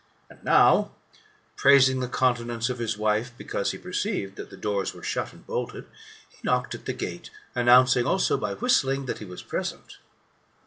And now, praising the continence of his wife, because he perceived that the doors were shut and bolted, he knocked at the gate, announcing also, by whistling, that he was present.